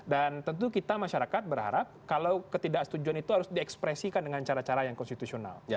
dan tentu kita masyarakat berharap kalau ketidaksetujuan itu harus diekspresikan dengan cara cara yang konstitusional